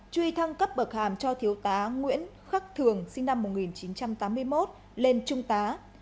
truy thăng cấp bậc hàm cho thiếu tá nguyễn khắc thường sinh năm một nghìn chín trăm tám mươi một